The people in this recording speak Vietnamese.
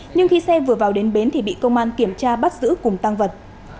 nhưng khi xe vừa vào đến bến thì bị công an kiểm tra bắt giữ cùng tăng vật